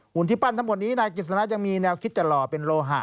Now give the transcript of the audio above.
ที่ปั้นทั้งหมดนี้นายกฤษณะยังมีแนวคิดจะหล่อเป็นโลหะ